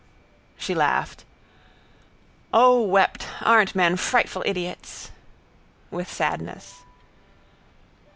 She laughed: —O wept! Aren't men frightful idiots? With sadness.